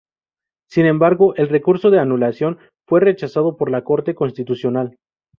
Sin embargo, el recurso de anulación fue rechazado por la Corte Constitucional.